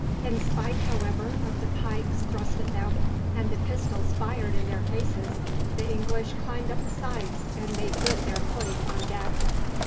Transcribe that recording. In spite, however, of the pikes thrust at them, and the pistols fired in their faces, the English climbed up the sides and made good their footing on deck.